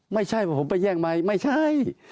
ไม่ใช่ว่าผมไปแย่งไหมไม่ใช่